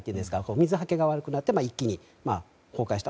水はけが悪くなって一気に崩壊した。